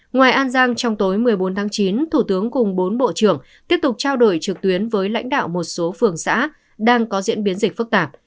ngoài an giang trong tối một mươi bốn tháng chín thủ tướng cùng bốn bộ trưởng tiếp tục trao đổi trực tuyến với lãnh đạo một số phường xã đang có diễn biến dịch phức tạp